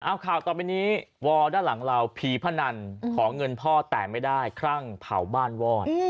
เอาข่าวต่อไปนี้วอลด้านหลังเราผีพนันขอเงินพ่อแต่ไม่ได้คลั่งเผาบ้านวอด